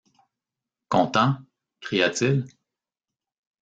Content, cria-t-il.